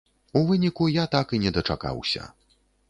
У выніку я так і не дачакаўся.